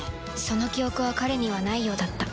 その記憶は彼にはないようだった